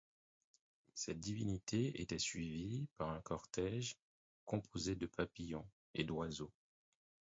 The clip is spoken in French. Cette divinité était suivie par un cortège composé de papillons et d'oiseaux.